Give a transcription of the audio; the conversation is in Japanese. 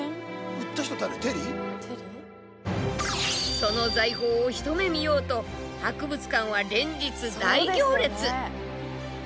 その財宝を一目見ようと博物館は連日大行列。